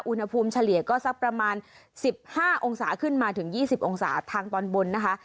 เฉลี่ยก็สักประมาณ๑๕องศาขึ้นมาถึง๒๐องศาทางตอนบนนะคะ